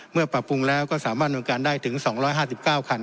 เมื่อปรับปรุงแล้วก็สามารถทดลองได้ถึง๒๕๙คัน